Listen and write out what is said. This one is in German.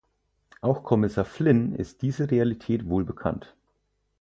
Auch Kommissar Flynn ist diese Realität wohlbekannt.